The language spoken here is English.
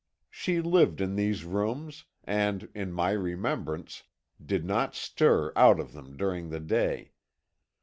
She lived in these rooms, and, in my remembrance, did not stir out of them during the day.